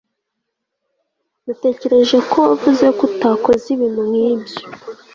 Natekereje ko wavuze ko utakoze ibintu nkibyo